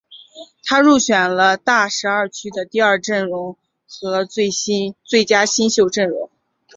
他入选了大十二区的第二阵容和最佳新秀阵容。